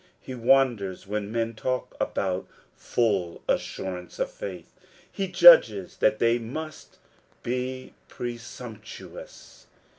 He wonders when men talk about " full assurance of faith." He judges that they must be presumptuous.